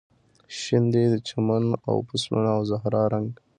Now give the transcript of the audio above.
شین دی د چمن او فصلونو او زهرا رنګ